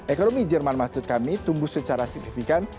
ekonomi jerman maksud kami tumbuh secara signifikan